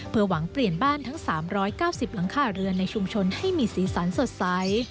เพื่อหวังเปลี่ยนบ้านทั้ง๓๙๐หลังคาเรือนในชุมชนให้มีสีสันสดใส